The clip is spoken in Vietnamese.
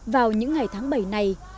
vào những ngày tháng bảy này